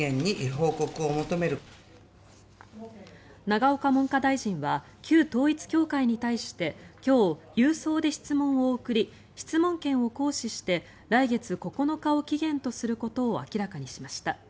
永岡文科大臣は旧統一教会に対して今日、郵送で質問を送り質問権を行使して来月９日を期限とすることを明らかにしました。